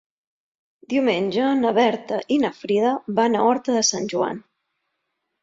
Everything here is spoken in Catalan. Diumenge na Berta i na Frida van a Horta de Sant Joan.